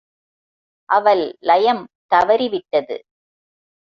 அவள் லயம் தவறிவிட்டது.